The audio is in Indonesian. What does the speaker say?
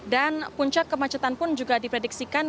dan puncak kemacetan pun juga diprediksikan